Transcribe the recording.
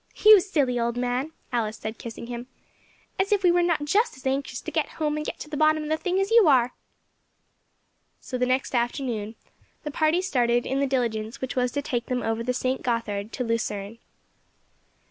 "You silly old man," Alice said, kissing him, "as if we were not just as anxious to get home and to get to the bottom of the thing as you are." So the next afternoon the party started in the diligence which was to take them over the St. Gothard to Lucerne.